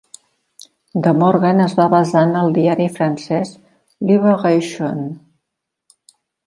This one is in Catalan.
"De Morgen" es va basar en el diari francès "Liberation".